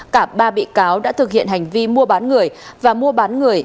cả ba bị cáo đã thực hiện hành vi mua bán người và mua bán người